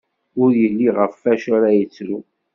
Ur yelli ɣef wacu ara yettru.